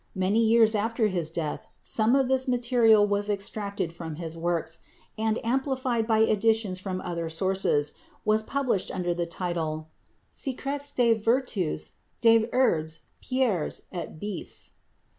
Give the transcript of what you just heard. Many years after his death some of this material was extracted from his works and, amplified by additions from other sources, was published under the title "Secrets des vertus des Herbes, Pierres et Bestes."